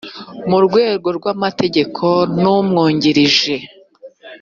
mu rwego rw amategeko n umwungirije